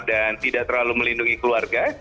dan tidak terlalu melindungi keluarga